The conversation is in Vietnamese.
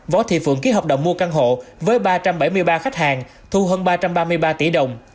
võ thị phượng ký hợp đồng mua căn hộ với ba trăm bảy mươi ba khách hàng thu hơn ba trăm ba mươi ba tỷ đồng